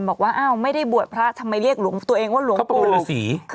บอกว่าอ้าวไม่ได้บวชพระทำไมเรียกตัวเองว่าหลวงปู่ฤษี